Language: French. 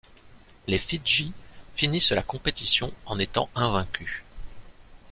Les Fidji finissent la compétition en étant invaincus.